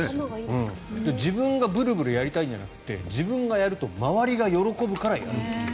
自分がブルブルやりたいんじゃなくて自分がやると周りが喜ぶからやるという。